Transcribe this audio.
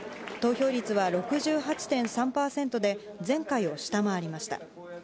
投票率は６８．３％で前回を下回りました。